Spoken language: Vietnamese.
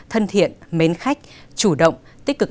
thân thiện mến khách chủ động tích cực